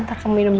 thank you tante